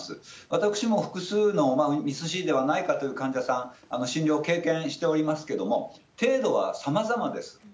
私も複数の、ＭＩＳ−Ｃではないかという患者さん、診療を経験しておりますけれども、程度はさまざまです。